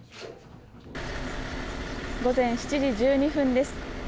午前７時１２分です。